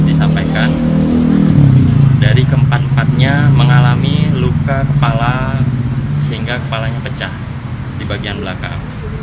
disampaikan dari keempat empatnya mengalami luka kepala sehingga kepalanya pecah di bagian belakang